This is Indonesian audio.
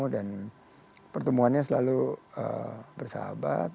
dan pertemuannya selalu bersahabat